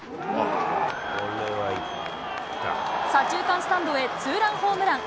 左中間スタンドへツーランホームラン。